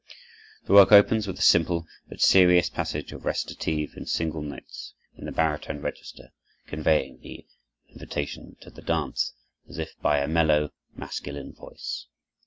The work opens with a simple but serious passage of recitative in single notes, in the baritone register, conveying the "Invitation to the Dance" as if by a mellow masculine voice.